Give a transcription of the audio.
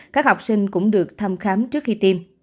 các học sinh cũng được thăm khám trước khi tiêm